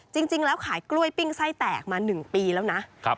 จริงแล้วขายกล้วยปิ้งไส้แตกมา๑ปีแล้วนะ